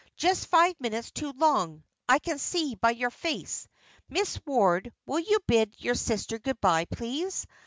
"Just five minutes too long, I can see, by your face. Miss Ward, will you bid your sister good bye, please?